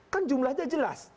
kan jumlahnya jelas